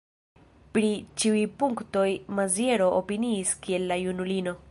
Pri ĉiuj punktoj Maziero opiniis kiel la junulino.